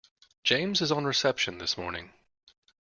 James is on reception this morning